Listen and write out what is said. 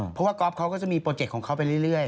เพราะว่าก๊อฟเขาก็จะมีโปรเจกต์ของเขาไปเรื่อย